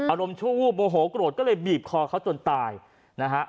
อารมณ์ชั่ววูบโมโหโกรธก็เลยบีบคอเขาจนตายนะฮะ